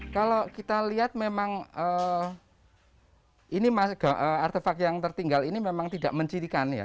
kalau kita lihat memang artefak yang tertinggal ini memang tidak mencirikan ya